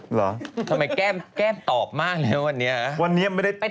หรอทำไมแก้มตอบมากเลยวันนี้